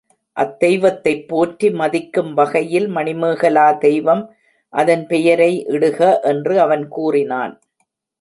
அத்தெய்வத்தைப் போற்றி மதிக்கும் வகையில் மணிமேகலா தெய்வம் அதன் பெயரை இடுக என்று அவன் கூறினான்.